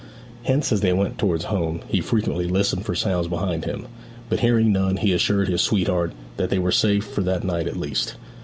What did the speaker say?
Hence, as they went towards home, he frequently listened for sounds behind him, but hearing none he assured his sweetheart that they were safe for that night at least.